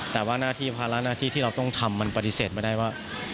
แต่ว่าหน้าที่ภาระหน้าที่ที่เราต้องทำมันปฏิเสธไม่ได้ว่า